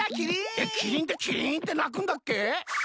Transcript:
えキリンってキリンってなくんだっけ？